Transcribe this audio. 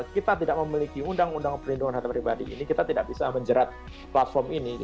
kita tidak memiliki undang undang perlindungan data pribadi ini kita tidak bisa menjerat platform ini